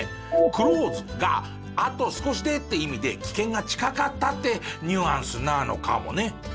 「ｃｌｏｓｅ」があと少しでって意味で危険が近かったってニュアンスなのかもね。